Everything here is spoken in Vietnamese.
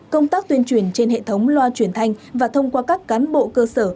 công tác tuyên truyền trên hệ thống loa truyền thanh và thông qua các cán bộ cơ sở